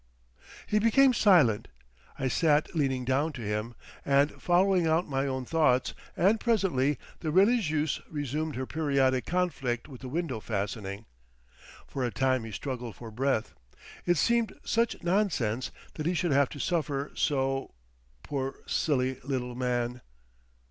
He became silent. I sat leaning down to him, and following out my own thoughts, and presently the religieuse resumed her periodic conflict with the window fastening. For a time he struggled for breath.... It seemed such nonsense that he should have to suffer so—poor silly little man!